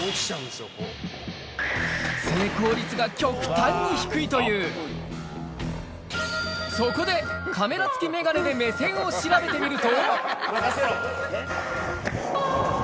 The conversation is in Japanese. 成功率が極端に低いというそこでカメラ付きメガネで目線を調べてみると任せろ！